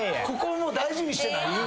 ここもう大事にしてない？